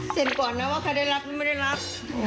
เสร็จก่อนนะว่าใครได้รับไม่ได้รับ